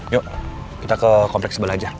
yuk kita ke kompleks sebelah aja